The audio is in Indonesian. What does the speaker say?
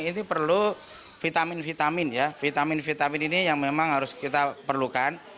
ini perlu vitamin vitamin ya vitamin vitamin ini yang memang harus kita perlukan